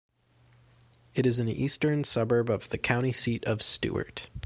It is an eastern suburb of the county seat of Stuart.